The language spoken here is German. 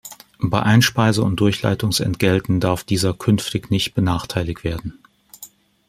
Bei Einspeise- und Durchleitungsentgelten darf dieser künftig nicht benachteiligt werden.